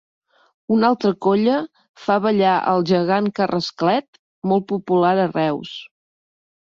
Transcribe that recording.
Una altra colla fa ballar el gegant Carrasclet, molt popular a Reus.